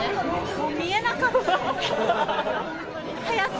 もう見えなかったです。